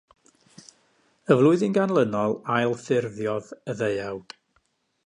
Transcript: Y flwyddyn ganlynol, ail-ffurfiodd y ddeuawd.